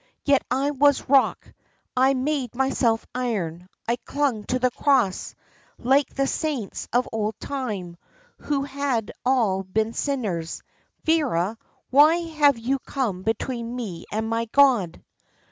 Yet I was rock. I made myself iron, I clung to the cross, like the saints of old time, who had all been sinners. Vera, why have you come between me and my God?"